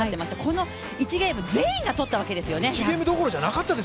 この１ゲーム、全員がとったわけですよね。